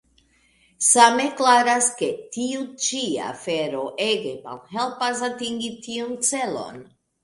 Same klaras, ke tiu ĉi afero ege malhelpas atingi tiun celon.